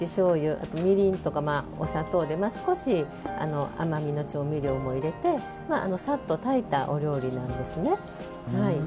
あと、みりんとか、お砂糖で少し甘味の調味料も入れてさっと炊いたお料理なんです。